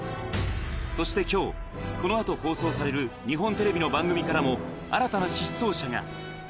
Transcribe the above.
そしてきょう、このあと放送される日本テレビの番組からも、新たな失踪者が。